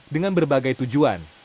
dengan berbagai tujuan